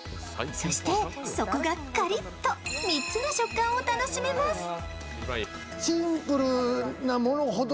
そして、底がカリッと３つの食感を楽しめます。